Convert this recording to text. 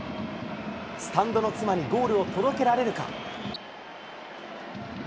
スタンドの妻にゴールを届けられるか。